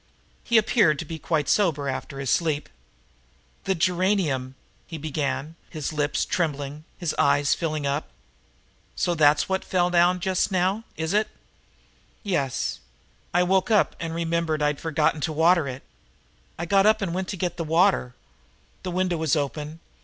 He appeared to be quite sober after his sleep. "The geranium " he began, his lips trembling, his eyes filling up. "So that's what fell down just now, is it?" "Yes, I woke up, and I remembered I'd forgotten to water it. I got up and went to get the water. The window was open.